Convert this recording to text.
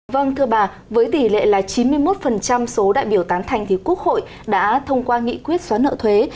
vâng thưa bà với tỷ lệ là chín mươi một số đại biểu tán thành thì quốc hội đã thông qua nghị quyết xóa nợ thuế